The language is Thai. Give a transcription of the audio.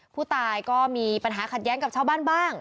ผู้ตายก็มีปัญหาขัดแย้งกับชาวบ้านบ้าง